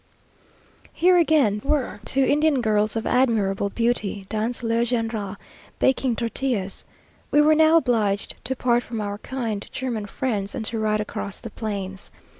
Here again were two Indian girls of admirable beauty, dans leur genre, baking tortillas. We were now obliged to part from our kind German friends, and to ride across the plains.